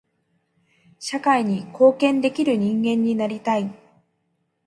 社会に貢献できる人間になりたい。